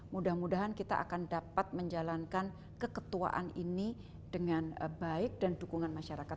mudah mudahan kita akan dapat menjalankan keketuaan ini dengan baik dan dukungan masyarakat